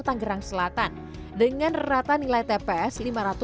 tangerang selatan dengan rata nilai tps lima ratus sembilan puluh sembilan enam ratus lima puluh empat